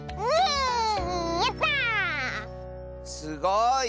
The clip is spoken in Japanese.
すごい！